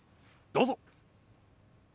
どうぞ。